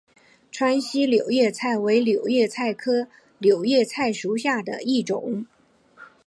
川西柳叶菜为柳叶菜科柳叶菜属下的一个种。